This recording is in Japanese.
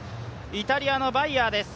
イタリアのバイヤーです。